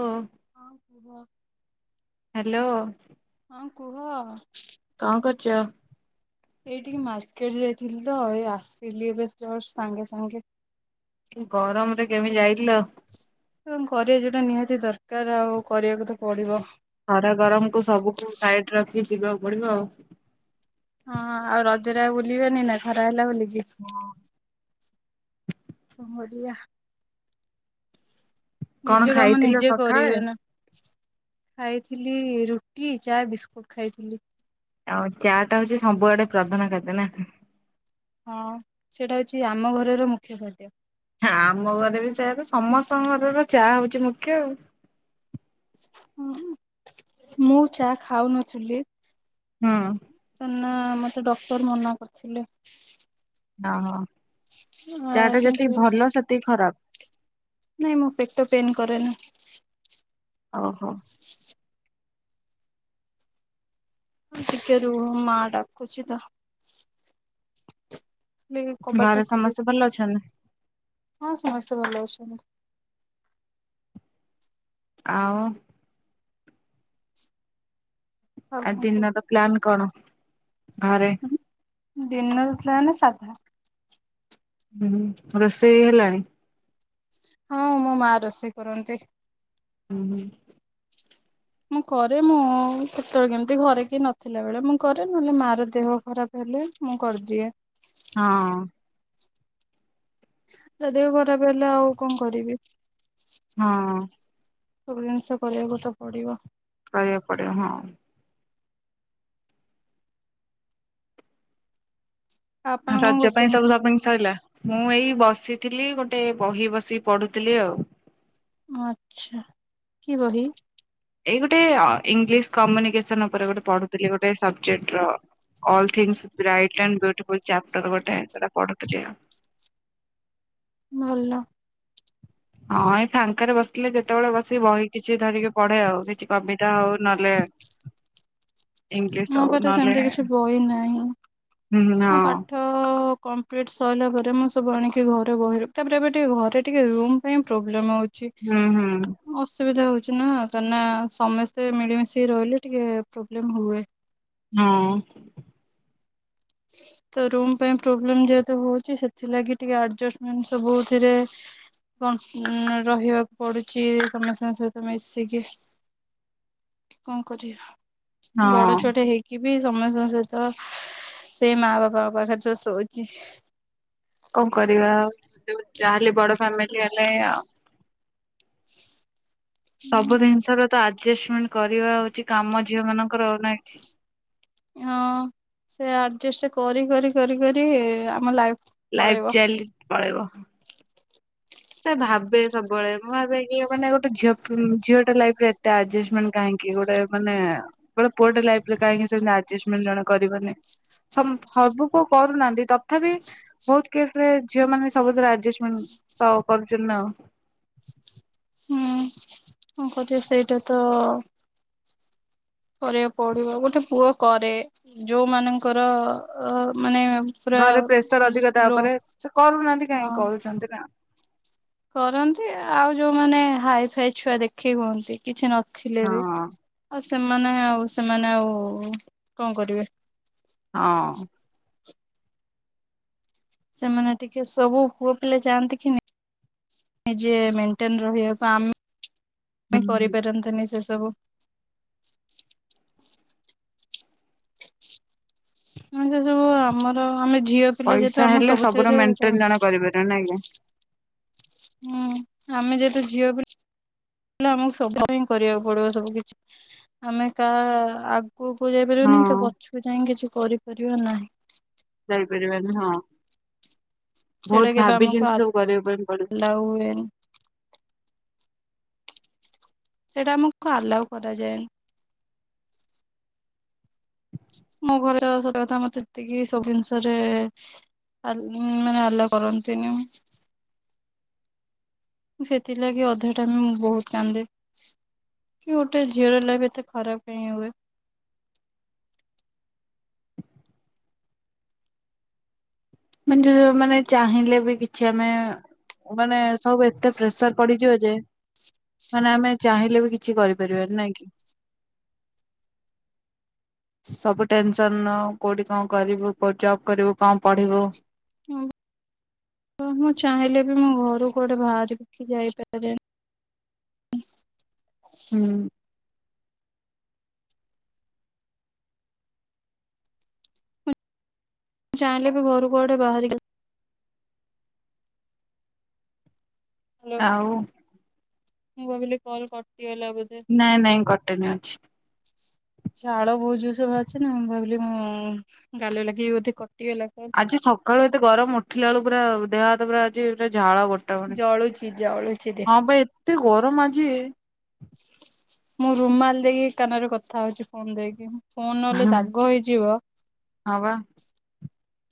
ଓ ହଁ କୁହ ହାଲୋ ହଁ କୁହ କଣ କରୁଚ? ଏଇ ଟିକେ ମାର୍କେଟ ଯାଇଥିଲି ତ ଏଇ ଆସିଲି ଏବେ ଜଷ୍ଟ ସାଙ୍ଗେ ସାଙ୍ଗେ। ଗରମ ରେ କେମିତି ଯାଇ ଥିଲ। କଣ କରିବା ଯଉଁଟା ନିହାତି ଦରକାର, ଆଉ କରିବାକୁ ତ ପଡ଼ିବ। ଖରା ଗରମକୁୁ ସବୁକୁ ସାଇଡ ରଖି ଯିବାକୁ ପଡିବ ଆଉ। ହଁ ଆଉ ରଜରେ ଆଉ ବୁଲିବନି ନା ଖରା ହେଲା ବୋଲିକି? ଓ ହୋ। ୟା। କଣ ନିଜ କାମ ଖାଇଥିଲ ନିଜେ ସକାଳେ? କରିବେ ନା? ଖାଇଥିଲି ରୁଟି ଚା ବିସ୍କୁଟ ଖାଇଥିଲି। ଆଉ ଚା ଟା ହଉଚି ସବୁଆଡେ ପ୍ରଧାନ ଖାଦ୍ୟ ନା? ହଁ ସେଇଟା ହଉଚି ଆମ ଘରର ମୁଖ୍ୟ ଖାଦ୍ୟ। ହଁ ଆମ ଘରେ ବି ସେୟାକୁ ସମସ୍ତଙ୍କ ଘରର ଚାହା ହଉଛି ମୁଖ୍ୟ। ହଁ ମୁଁ ଚାହା ଖାଉନଥିଲି। ହଁ ନା ମତେ ଡକ୍ଟର ମନା କରିଥିଲେ। ଓ ହୋ ଆ, ଚାହା ଟା କିନ୍ତୁ ଯେତିକି ଭଲ ସେତିକି ଖରାପ। ନାଇଁ ମୁଁ ପେଟ ପେନ୍ କରେନି। ଓହୋ। ଟିକେ ରୁହ ମା ଡାକୁଚି ତ। ଖୋଲି କବାଟ ଟା ଘରେ ଖୋଲି ସମସ୍ତେ ଭଲ ଅଛନ୍ତି? ହଁ ସମସ୍ତେ ଭଲ ଅଛନ୍ତି। ଆଉ? ଆଉ ଆ କଣ କୁହ? ଦିନର ପ୍ଲାନ୍ କଣ? ଘରେ? ଡିିନର ପ୍ଲାନ୍ ସାଧା। ହୁଁ ରୋଷେଇ ହେଲାଣି? ହଁ ମୋ ମା ରୋଷେଇ କରନ୍ତି। ହୁଁ ହୁଁ। ମୁଁ କରେ ମୁଁ କେତେବେଳେ କେମିତି ଘରେ କିଏ ନଥିଲା ବେଳେ ମୁଁ କରେ। ନହେଲେ ମା ର ଦେହ ଖରାପ ହେଲେ ମୁଁ କରିଦିଏ। ହଁ। ତା ଦେହ ଖରାପ ହେଲେ ଆଉ କଣ କରିବି? ହଁ। ସବୁ ଜିନିଷ କରିବାକୁ ତ ପଡିବ। କରିବାକୁ ପଡିବ। ହଁ। ଆପଣ କଣ ରଜ ପାଇଁ କରୁଛନ୍ତି? ସବୁ ସପିଂ ସରିଲା? ମୁଁ ଏଇ ବସିଥିଲି ଗୋଟେ ବହି ବସି ପଢୁଥିଲି ଆଉ। ଆଚ୍ଛା। କି ବହି? ଏଇ ଗୋଟେ ଅ ଇଂଲିଶ କମ୍ୟୁନିକେସନ ଉପରେଗୋଟେ ପଢ଼ୁଥିଲି ଗୋଟେ ସବଜେକ୍ଟର all things bright and beautiful chapter ଗୋଟେ ସେଟା ପଢ଼ୁଥିଲି ଆଉ। ଭଲ। ହଁ ଏଇ ଫାଙ୍କାରେ ବସିଲେ ଯେତେବେଳେ ବସିକି ବହି କିଛି ଧରିକି ପଢେ ଆଉ କିଛି କବିତା ହଉ ନହଲେ ମୋ ପାରେ ସେମିତି କିଛି ବହି ନାହିଁ ହୁଁ ହୁଁ ମୋ ହଁ ପାଠ। କମ୍ପ୍ଲିଟ୍ ସରିଲା ପରେ ମୁଁ ସବୁ ଆଣିକି ଘରେ ବହ ର ତାପରେ ଏବେ ଟିକେ ଘରେ ଟିକେ ରୁମ୍ ପାଇଁ ପ୍ରୋବ୍ଲେମ୍ ହଉଛି। ହୁଁ ହୁଁ [unintelligible] ଅସୁବିଧା ହଉଛି ନା କାହିଁକିନା ସମସ୍ତେ ମିଳିମିଶିକି ରହିଲେ ଟିକେ ପ୍ରୋବ୍ଲେମ୍ ହୁଏ। ହଁ। ତ ରୁମ୍ ପାଇଁ ପ୍ରୋବ୍ଲେମ ଯେହେତୁ ହଉଛି। ସେଥିଲାଗି ଟିକେ ଆଡଜଷ୍ଟମେଣ୍ଟ ସବୁଥିରେ ରହିବାକୁ ପଡୁଛି ସମସ୍ତଙ୍କ ସହିତ ମିଶିକି, କଣ କରିବା। ବଡ ହଁ ଛୁଆଟେ ହେଇକି ବି ସମସ୍ତଙ୍କ ସହିତ ସେଇ ମା ବାପା ପାଖରେ ତ ଶୋଉଛି। କଣ କରିବା ଯୋଉ ଚାହାଲେ ବଡ ଫ୍ୟାମିଲି ହେଲେ ଆଉ ସବୁ ଜିନିଷର ଆଡଜଷ୍ଟମେଣ୍ଟ କରିବା ହଉଛି କାମ ଝିଅ ମାନଙ୍କର ଆଉନାହିଁକି। ହଁ ସେ ଆଡଜଷ୍ଟ କରି କରି କରି କରି ଆମ ଲାଇ ଲାଇଫ ଚାଲି ପଳେଇବ। ସେ ଭାବେ ସବୁବେଳେ ମୁଁ ଭାବେ କି ମାନେ ଗୋଟେ ଝିଅଟେ ଲାଇଫରେ ଏତେ ଆଡ଼ଜଷ୍ଟ ମେଣ୍ଟ କାହିଁକି? ଗୋଟେ ମାନେ ଗୋଟେ ପୁଅଟେ ଲାଇଫରେ କାହିଁକି ସେମିତି ଆଡ଼ଜଷ୍ଟମେଣ୍ଟ ଜଣେ କରିବନି ସବୁ ପୁଅ କରୁନାହାନ୍ତି ତଥାପି ବହୁତ କେସରେ ଝିଅମାନେ ସବୁଥର ଆଡ଼ଜଷ୍ଟମେଣ୍ଟ ସଉ କରୁଛନ୍ତି ନା ହୁଁ କଣ କି ସେଇଟା ତ କରିବାକୁ ପଡିବ ଗୋଟେ ପୁଅ କରେ ଯୋଉ ମାନଙ୍କର ଅ ମାନେ ପୁରା ଘରେ ପ୍ରେସର ଅଧିକ ତା ଲୋ ଉପରେ ସେ କରୁନାହାନ୍ତି ହଁ କାହିଁକି କରୁଛନ୍ତି ନା କରନ୍ତି ଆଉ ଯୋଉମାନେ ହାଇଫାଇ ଛୁଆ ଦେଖେଇ ହୁଅନ୍ତି କିଛି ନ ଥିଲେ ବି। ହଁ ସେମାନେ ଆଉ ସେମାନେ ଆଉ କଣ କରିବେ। ହଁ। ସେମାନେ ଟିକେ ସବୁ ପୁଅପିଲା ଯାଆନ୍ତି କିି ନିଜେ ମେଟେନ ରହିବାକୁ ଆମେ ଆମେ ହୁଁ କରିପାରନ୍ତ ନି ତବୁ କଣ ସେ ସବୁ ଆମର ଆମେ ଝିଅ ପିଲା ଯେହେତୁ ପଇସା ଆମ ହେଲେ ସବୁୁର ସବୁଥିରେ ମେଣ୍ଟେନ ଜଣେ କରିପାରିବ ଆଜ୍ଞା ହୁଁ ଆମେ ଯେହେତୁ ଝିଅ ପିଲ [unintelligible] ଆମକୁ ସଭା ହିଁ କରିବାକୁ ପଡିବ। ସବୁ କିଛି ଆମେ କା କୁକୁ ଯାଇପାରିବନି କି ହଁ ପଛକୁ ଯାଇ କିଛି କରିିବ କରିିବ ନାହିଁ। ଯାଇପାରିବାନି ହଁ। ସେଇଟା ବହୁତ କେବେ ଭାବି ଆମକୁ ଚିନ୍ତି ସବୁ କରିବା ପାଇଁ ପଡିବ। ଆଲାଉ ହୁଏନି ସେଇଟା ଆମକୁ ଆଲାଉ କରାଯାଏନି ମୋ ଘରେ ସ କଥା ମତେ ଏତିକି ସବୁ ଜିନିଷରେ ମାନେ ଆଲା କରନ୍ତିନି। ସେଥିଲାଗି ଅଧା ଟାମ ମୁଁ ବହୁତ କାନ୍ଦେ, କି ଗୋଟେ ଝିଅର ଲାଇ ଏତେ ଖରାପ ହଁ ହୁଏ। ମ ମାନେ ଚାହିଁଲେ ବି କିଛି ଆମେ ମାନେ ସବୁ ଏତେ ପ୍ରେସର ପଡିଯିବ, ଯେ ମାନେ ଆମେ ଚାହିଁଲେ ବି କିଛି କରିପାରିବାନି ନାଇଁ କି, ସବୁ ଟେନସନ କୋଉଠି କଣ କରିବୁ କୋଉଠି ଜବ କରିବୁ କଣ ପଢିବୁ ମୁଁ ଚାହିଁଲେ ବି ମୁଁ ଘରକୁ ଗୋଟେ ବାହାରିିକି ଯାଇପାରେ ହୁଁ। ଚଁଲେ ବି ଘରୁ ଘୋଡ଼େ ବାହାର ଗ ହ୍ୟାଲୋ ଆଉ ମୁଁ ଭାବିଲି କଲ୍ କରି ନାଇଁ ନାଇଁ କଟନ ଅଛି। ାଳ ବୋହୁ ଯୋଉ ସବୁ ଅଛି ନା ମୁଁ ଭାବିଲି ମୁଁ ଗାଲି ଲାଗି ବୋଧେ କ ଆଜି ସକାଳୁ ଏତେ ଗରମ ଉଠିଲା ବେଳୁ ପୁରା ଦେହରେ ଆଜି ଝାଳ ଗଟ ଟ ଜଳୁଛି ଜଳୁଛି ଦେହ। ହଁ ଭ ଏତେ ଗରମ ଅଛି କି ମୁଁ ରୁମ୍ ମାଲ ଦେଇକି କାନରେ କଥା ହଉଛି ଫୋନ ଦେଇକି ଫୋନ ନଲେ ଦାଗ ହେଇଯିବ। ହଁ ବା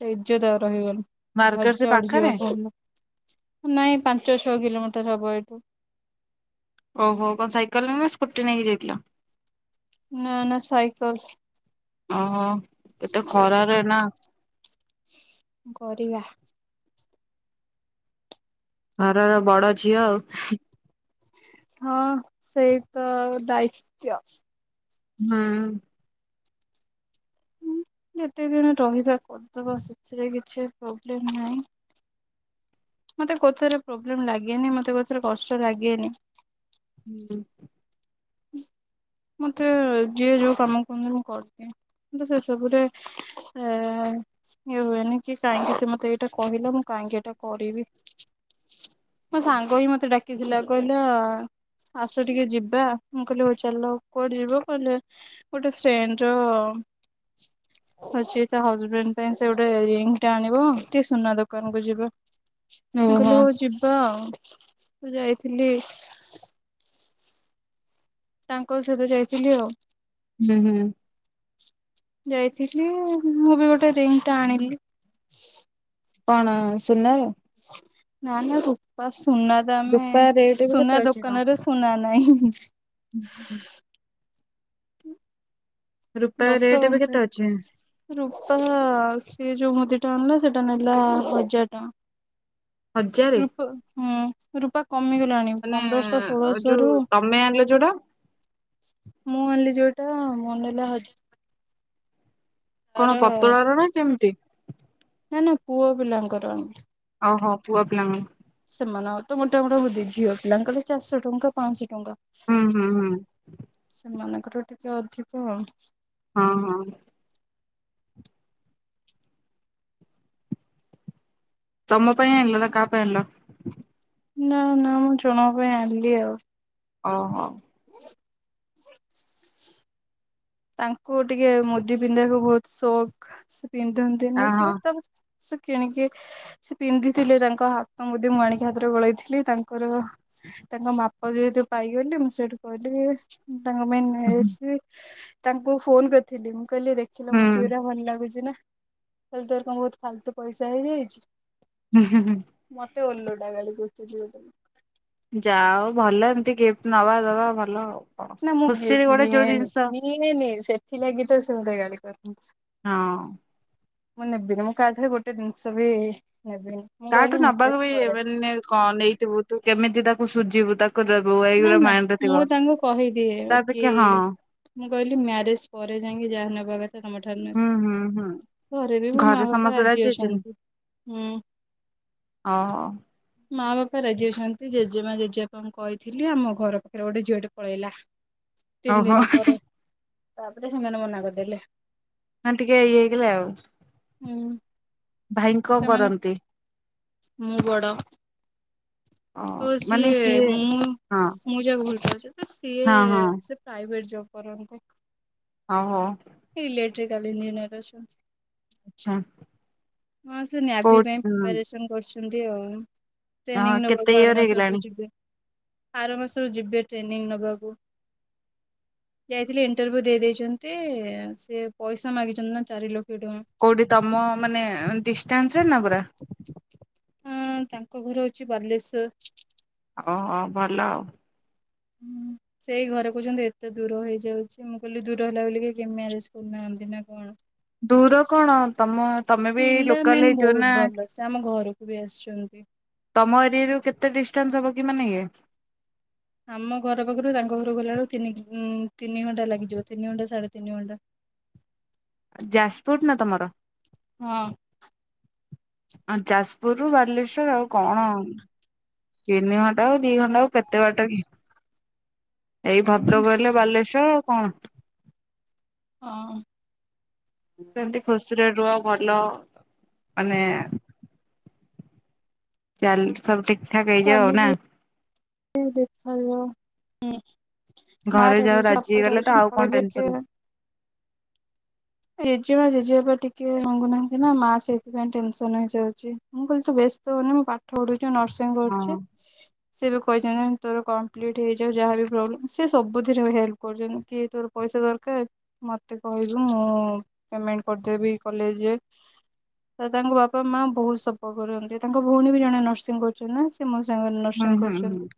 ସେଇ ଯେ ତ ରହିଗନ ମାର୍କେଟ ସେ ଧଜା ଆଡଯିବ ପାଖରେ ଫ ନାଇଁ ପାଞ୍ଚ ଛଅ କିଲୋମିଟର ହବ ଏଇଠୁ ଓହୋ କଣ ସାଇକେଲ ନେଇ ନା ସ୍କୁଟି ନେଇକି ଯାଇଥିଲା। ନା ନା ସାଇକଲ ଓହୋ ଏତେ ଖରାରେ ନା। କରିବା। ଆରାମ ବଡ ଝିଅ ଆଉ। ହଁ ସେଇ ତ ଦାୟିତ୍୍ୱ ହଁ। ଁ ଯେତେ ଦିନ ରହିବା କରିଦବା ସେଥିରେ କିଛି ପ୍ରୋବ୍ଲେମ ନାହିଁ। ମତେ କଥରେ ପ୍ରୋବ୍ଲେମ ଲାଗେନି ମତେ କଥରେ କଷ୍ଟ ଲାଗେନି ହୁଁ। ମତେ ଯିଏ ଯୋଉ କାମ କରହନ୍ତି ମୁଁ କରିଦିଏ ତ ସେସବୁରେ ଏ ଇଏ ହୁଏନି କି କାହିଁକି ସେ ମତେ ଏଇଟା କହିଲା ମୁଁ କାହିଁକି ଏଇଟା କରିବି ମୋ ସାଙ୍ଗ ହିଁ ମତେ ଡାକିଥିଲା କହିଲା ଆସ ଟିକେ ଯିବା। ମୁଁ କହିଲି ହଉ ଚାଲ କୋଠ ଯିବ କହିଲେ ଗୋଟେ ଫ୍ରେଣ୍ଡ ର ଅଛି ତା ହଜବେଣ୍ଡ ପାଇଁ ସେ ଗୋଟେ ଙ୍ଗ ଟା ଆଣିବ ଟିକେ ସୁନା ଦୋକାନ କୁ ଯିବ। ହୁଁ ଓହୋ। ଗଲ ହଉ ଯିବା। ମୁଁ ଯାଇଥିଲି। ତାଙ୍କ ସହିତ ଯାଇଥିଲି ଆଉ। ହୁଁ ହୁଁ। ଯାଇଥିଲି ମୁଁ ବି ଗୋଟେ ରେଜ ଟା ଆଣିଲି କଣ ସୁନାରୁ ନାନେ ର ସୁନା ତ ଆମେ ରୂପା ରେଟ୍ ଏବେ ସୁନା ଦୋକାନରେ ସୁନାାନ ନାଇଁ ହଁ ରୂପା ଦଶ ରେଟ୍ ଏବେ କେତେ ଅଛି ଘଣ୍ଟ ରୂପା ଆଉ ସେି ଯୋଉ ମୁଦି ଟା ଆଣିଲା ସେଟା ନେଲା ହଜାର ହଜାରେ? ଟଙ୍କା ରୂପ ହଁ ରୂପକ କମିଗଲାଣି ମାନେ ପନ୍ଦରଶହ ଷୋଳଶହ ଯୋଉ ରୁ ତମେ ଆଣିଲ ଯୋଉଟା ମୁଁ ଆଣିଲି ଯୋଉ ତ ମନେଲା ହଜ କଣ ପତଳା ର ନା କେମିତି ନା ନା ପୁଅ ପିଲାଙ୍କର ଆମ ଓହୋ ପୁଅ ପିଲାଙ୍କ ସେମାନେ ଆଉ ତ ମୋଟାମୋଟ ହଉି ଝିଅ ପିଲାଙ୍କୁ କହଲେ ଚାରିଶହ ଟଙ୍କା ପାଞ୍ଚଶହ ଟଙ୍କା ହୁଁ ହୁଁ ହୁଁ କର ଟିକେ ଅଧିକ ହଁ ହଁ ତମ ପାଇଁ ଆଣିଲ ନା କାହା ପାଇଁ ଆଣିଲ ନା ନା ମୁଁ ଜଣଙ୍କ ପାଇଁ ଆଣିଲି ଆଉ ଓ ହୋ ତାଙ୍କୁ ଟିକେ ମୁଦି ପିନ୍ଧିବାକୁ ବହୁତ ସୌକ ପିନ୍ଧନ୍ତି ଆ ହଁ। ନା ସେ କିଣିଚି ସେ ପିନ୍ଧିଥିଲେ ତାଙ୍କ ହାତ ମୁଦି ମୁଁ ଆଣିକି ହାତରେ ଗୋଳେଇଥିଲି ତାଙ୍କର ତାଙ୍କ ମାପ ଯେହେତୁ ପାଇଗଲି ମୁଁ ସେଇଠୁ କହିଲି ତାଙ୍କ ପାଇଁ ନେଇଆସିଲି ତାଙ୍କୁ ଫୋନ କରିଥିଲି ମୁଁ କହିଲେ ଦେଖିଲ ହୁଁ ମୁଦି ଗୁଡ଼ା ଭଲ ଲାଗୁଛିି ନା ହେଲେ ତୋର କଣ ବହୁତ ଫାଲତୁ ପଇସା ହେଇଯାଇଛି ହୁଁ ହୁଁ ହୁଁ ମତେ ଓଲୋଟା ଗାଳି ଦେଉଛି ଯା ଆଉ ଭଲ ଏମିତି ଗିଫ୍ଟ ନବା ଦବା ଭଲ ଆଉ କଣ। ନା ମୁଁ ଖୁସିରେ ଗିଫ୍ଟ ଗୋଟେ ଯୋଉ ନିଏନି ଜିନିଷ ନିଏନି ସେ ସେଥିଲା ଗୀ ତ ସେତେ ଗାଳି କର ହଁ ମୁଁନେବିିନି ମୁଁ କା ଆଘରେ ଗୋଟେ ଜିନିସ ବି ନେବିନି ମୁଁ ତାଠୁ କହିଲି ନବାକୁ ମ୍ୟାରେଜ ଭ ପରେ ଏବେ କଣ ନେଇଥିବୁ ତୁ କେମିତି ତାଖ ସୁଝିବୁ ତା ତାକୁ ସବୁ ନା ଏଇଗୁଡ଼ା ନା ମାଇଣ୍ଡ ମୁଁ ଥିବ ତାଙ୍କୁ କହିଦିଏ କି ତାଅପେକ୍ଷା ହଁ ମୁଁ କହିଲି ମ୍ୟାରେଜ ପରେ ଯାଇକି ଯାହା ନେବା କଥା ତମ ଠାରୁ ନେବି ହୁଁ ହୁଁ ହୁଁ ବି ମୋ ମା ଘରେ ବାପା ସମସ୍ତେ ରାଜି ଅଛନ୍ତି ହୁଁ ଓହୋ ମା ବାପା ରାଜି ଅଛନ୍ତି ଜେଜେମା ଜେଜେବାପାଙ୍କୁ କହି ଥିଲି ଆମ ଘର ପାଖରେ ଗୋଟେ ଝିଅଟେ ପଳେଇଲା। ତିନ ଓହୋ ଦିନ ପରେ ତାପରେ ସେମାନେ ମନା କରିଦେଲେ ହଁ ଟିକେ ଇଏ ହେଇଗଲେ ଆଉ। ହୁଁ। ଭାଇ କଣ ସେମାନେ କରନ୍ତି? ମୁଁ ବଡ଼ ଓ ତ ମାନେ ସିଏ ମୁଁ ହଁ ମୁଁ ଯାହାକୁ ଭଲପାଉଛି ସିଏ ହଁ ହଁ ସେ ପ୍ରାଇଭେଟ ଜବ୍ କରନ୍ତେ ଓହୋ। ଇଲେକ୍ଟ୍ରିକାଲ ଇଞଜିନିୟର ଅଛନ୍ତି। ଆଚ୍ଛା। ହଁ ସେ ନ୍ୟାଭି କୋଉ ପାଇଁ ହୁଁ ପିପାରେସନ କରୁଛି। ସେମିତି ଆଉ ଟ୍ରେନିଂ ହଁ କେତେ ନବାକୁ ଆର ଇୟର ମାସରୁ ହେଇଗଲାଣି? ଯିବେ ଆର ମାସରୁ ଯିବେ ଟ୍ରେନିଂ ନବାକୁ ଯାଇଥିଲେି ଇଣ୍ଟରଭିୁ ଦେଇ ଦେଇେଇଛନ୍ତି ସେ ପଇସା ମାଗିଛନ୍ତି ନା ଚାରି ଲୋକ କୋଉଠି ତମ ମାନେ ଡିଷ୍ଟାନ୍ସରେ ନା ପୁରା ହୁଁ ତାଙ୍କ ଘର ହଉଛି ବାଲେଶ୍ଵର। ଓ ଭଲ ଆଉ। ହଁ ସେଇ ଘରେ କହୁଛନ୍ତି ଏତେ ଦୂର ହେଇଯାଉଛି ମୁଁ କହିଲି ଦୂର ହେଲା ବୋଲି କେମି ଆରେ କରୁନାହାନ୍ତି ନା କଣ? ଦୂର କଣ ତମ ତମେ ବି ପିଲା ଲୋକାଲ ମେନ୍ ହେଇଥିବ ବହୁତ ନା? ଭଲ ସେ ଆମ ଘରକୁ ବି ଆସିଛନ୍ତି। ତମ ଏରିଆରୁ କେତେ ଡିଷ୍ଟାନ୍ସ ହବ କି ମାନେ ଇଏ? ଆମ ଘର ପାଖରୁ ତାଙ୍କ ଘର ଗଲା ବେଳୁ ତିନି ତିନି ଘଣ୍ଟା ଲାଗିଯିବ ତିନି ଘଣ୍ଟା ସାଢେ ତିନି ଘଣ୍ଟା। ଯାଜପୁରୁର ନା ତମର? ହଁ। ଯାଜପୁରରୁୁ ବାଲେଶ୍ଵର ଆଉ କଣ ତିନି ଘଣ୍ଟା ଆଉ ଦି ଘଣ୍ଟା ଆଉ କେତେ ବାଟକି? ଏଇ ଭଦ୍ରକ ହେଲେ ବାଲେଶ୍ଵର କଣ। ହଁ। ସେମତି ଖସ ସାନ୍ତି ରେ ରୁହ ଭଲ ମାନେ ଚାଲ ସବୁ ଠିକ ଠାକ ହେଇଯାଉ ଆଉ ଶଲି ନା ଦେଖାଯାଉ ହୁଁ। ଘରେ ମାଁ ଯାଉ ରାଜୁଛି ରାଜି ଆପଣ ହେଇଗଲେ ତ ରାଜୁଛ ଆଉ କଣ ଟେନସନ । ଜେଜେମା ଜେଜେବାପା ପାଇଁ ଟିକେ ମାଗୁନାହାନ୍ତି ନା ମା ସେଇଥିପାଇଁ ଟେନସନ ହେଇଯାଉଛି ମୁଁ କହିଲି ତୁ ବ୍ୟସ୍ତ ହଉନି ମୁଁ ପାଠ ପଢୁଛି। ନର୍ସିଂ ହଁ କରୁଛି ସେ କହିଛନ୍ତି ତୋର କମ୍ପ୍ଲିଟ୍ ହେଇଯାଉ ଯାହାବି ପ୍ରୋବ୍ଲେମ ସ ସବୁଥିରେ ହେଲ୍ପ କରୁଛନ୍ତି କି ତୋର ପଇସା ଦରକାର ମତେ କହିବୁ ମୁଁ ମୁଁ ପେମେଣ୍ଟ କରିଦେବି କଲେଜ ରେ ତାଙ୍କ ବାପା ମା ବହୁତ ସପୋର୍ଟ କରୁନ୍ତି ତାଙ୍କ ଭଉଣୀ ବି ଜଣେ ନର୍ସିଂ କରୁଛନ୍ତି ସେ ମୋ ସା ହୁଁ ନର୍ସିଂ ହୁଁ ହୁଁ କରୁଛନ୍ତି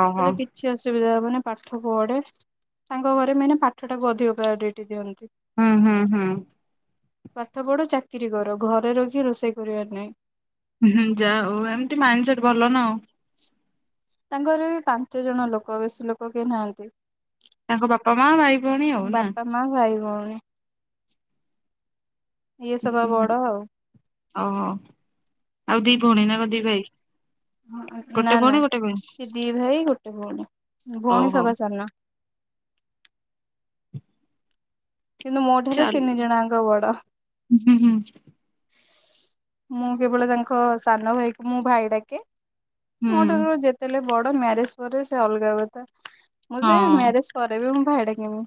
ଓହୋ କିଛି ଅସୁବିଧା ମାନେ ପାଠ ପଢେ ତାଙ୍କ ଘରେ ମାନେ ପାଠ ଟାକୁ ଅଧିକ ପ୍ରାଓରିଟି ଦିଅନ୍ତି। ହୁଁ ହୁଁ ହୁଁ। ପାଠ ପଢୁ ଚାକିରି କର ଘରେ ରଖି ରୋଷେଇ କରିବାର ନାହିଁ। ହୁଁ ହୁଁ ଯାହା ହଉ ଏମତି ମାଇଣ୍ଡ ସେଟ ଭଲ ନା ଆଉ। ତାଙ୍କର ବି ପାଞ୍ଚ ଜଣ ଲୋକ ବେଶୀ ଲୋକ କେହି ନାହାନ୍ତି। ତାଙ୍କ ବାପା ମା ଭାଇ ଭଉଣୀ ଆଉ ନା। ବାପା ମା ଭାଇ ଭଉଣୀ ଇଏ ସଭା ବଡ ଆଉ। ଓହୋ ଆଉ ଦି ଭଉଣୀ ନା କ ଦି ଭାଇ। ନା ଗୋଟେ ନା ଭଉଣୀ ଗୋଟେ ଭାଇ ସେ ଦି ଭାଇ ଗୋଟେ ଭଉଣୀ ହଉ ଭଉଣୀ ହଉ ସବା ସାନ। କିନ୍ତୁ ମୋ ଠୁ ସେ ଚାଲ ତିନି ଜଣଙ୍କ ବଡ। ହୁଁ ହୁଁ ମୁଁ କେବଳ ତାଙ୍କ ସାନ ଭାଇକୁ ମୁଁ ଭାଇ ଡାକେ । ହୁଁ ମୋଟ ଯେତେଲେ ବଡ। ମ୍ୟାରେଜ ପରେ ସେ ଅଲଗା କଥା। ମୁଁ ସେ ହଁ ମ୍ୟାରେଜ କରେବି ମୁ। ଡ଼ଙ୍ଗନ।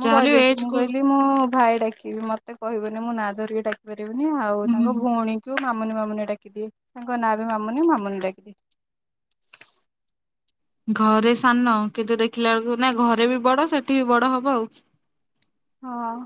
ମୁଁ ଯାହାହେଲେ କହିଦେଇଛି ଏଜ ମୁଁ କୁ କହିଲି ମୁଁ। ଭାଇ ଡାକିବି ମତେ କହିବନି ମୁଁ ନାଁ ଧରିକିଡାକିପାରିବି। ଆଉ ହୁଁ ତାଙ୍କ ଭଉଣୀ। ମାମୁନି ମାମୁନି ଡାକିଦିଏ ତାଙ୍କ ନାଁ ବି ମାମୁନି ମାମୁନି ଡାକିଦିଏ। ଘରେ ସାନ କିନ୍ତୁ ଦେଖିଲା ବେଳକୁ ନା ଘରେ ବି ବଡ ସେଠି ବି ବଡ ହବ ଆଉ। ହଁ।